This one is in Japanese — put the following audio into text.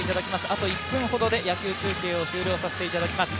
あと１分ほどで野球中継を終了させていただきます。